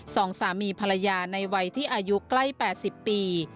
สองสามีภรรยาในวัยที่อายุใกล้๘๐ปี